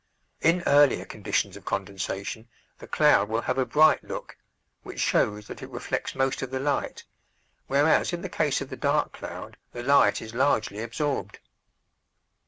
In earlier conditions of condensation the cloud will have a bright look, which shows that it reflects most of the light, whereas in the case of the dark cloud the light is largely absorbed.